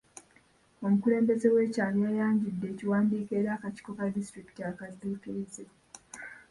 Omukulembeze w'ekyalo yayanjudde ekiwandiiko eri akakiiko ka disitulikiti akadduukirize.